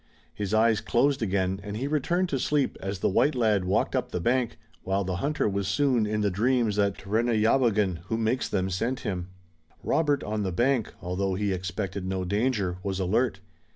His eyes closed again and he returned to sleep as the white lad walked up the bank, while the hunter was soon in the dreams that Tarenyawagon, who makes them, sent to him. Robert on the bank, although he expected no danger, was alert.